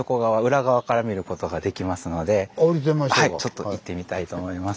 ちょっと行ってみたいと思います。